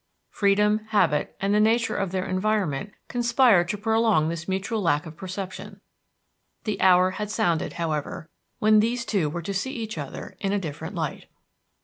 Freedom, habit, and the nature of their environment conspired to prolong this mutual lack of perception. The hour had sounded, however, when these two were to see each other in a different light.